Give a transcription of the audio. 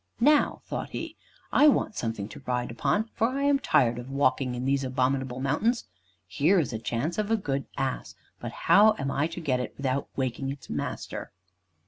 "Now," thought he, "I want something to ride upon, for I'm tired of walking in these abominable mountains. Here's a chance of a good ass. But how am I to get it, without waking its master?"